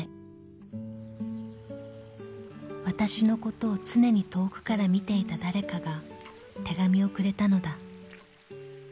［わたしのことを常に遠くから見ていた誰かが手紙をくれたのだ］